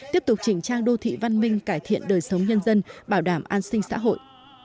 tiếp tục chỉnh trang đô thị văn minh cải thiện đời sống nhân dân bảo đảm an sinh xã hội